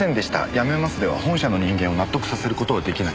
やめます」では本社の人間を納得させる事はできない。